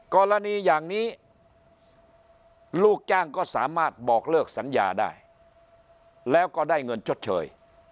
กรณีอย่างนี้ลูกจ้างก็สามารถบอกเลิกสัญญาได้แล้วก็ได้เงินชดเชย